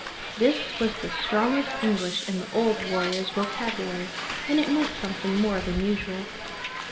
This was the strongest English in the old warrior's vocabulary, and it meant something more than usual.